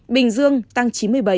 bình dương tăng chín mươi bảy